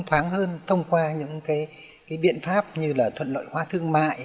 đáng hơn thông qua những biện pháp như thuận lợi hóa thương mại